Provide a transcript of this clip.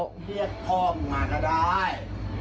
เรียกพ่อมึงมาก็ได้